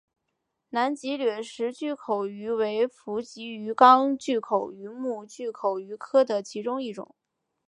南极掠食巨口鱼为辐鳍鱼纲巨口鱼目巨口鱼科的其中一种。